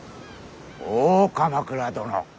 大鎌倉殿。